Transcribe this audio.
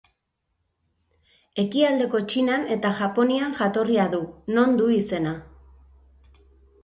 Ekialdeko Txinan eta Japonian jatorria du, non du izena.